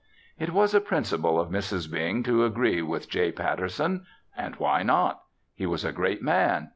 It was a principle of Mrs. Bing to agree with J. Patterson. And why not? He was a great man.